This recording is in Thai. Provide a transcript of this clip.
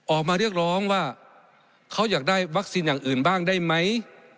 ออกมาเรียกร้องว่าเขาอยากได้วัคซีนอย่างอื่นบ้างได้ไหม